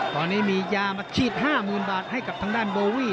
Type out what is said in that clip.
ตอนนี้มียามาฉีด๕๐๐๐บาทให้กับทางด้านโบวี่